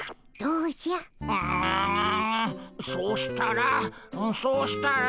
うううそうしたらそうしたら。